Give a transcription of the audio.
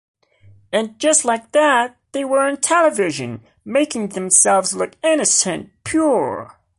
And, just like that, they were on television, making themselves look innocent, pure.